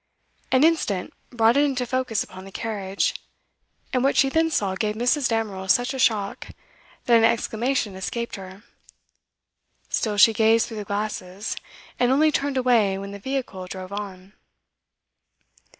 An instant brought it into focus upon the carriage, and what she then saw gave Mrs. Damerel such a shock, that an exclamation escaped her. Still she gazed through the glasses, and only turned away when the vehicle drove on.